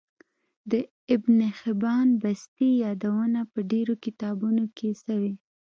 د ابن حبان بستي يادونه په ډیرو کتابونو کی سوی